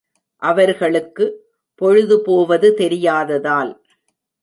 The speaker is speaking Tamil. அவர்களுக்கு பொழுது போவது தெரியாததால்.